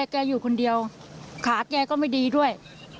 แกอยู่คนเดียวขาแกก็ไม่ดีด้วย